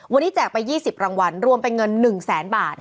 วันนี้แจกไป๒๐รางวัลรวมเป็นเงิน๑แสนบาท